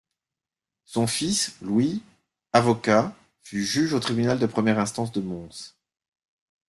Son fils, Louis, avocat, fut juge au Tribunal de première instance de Mons.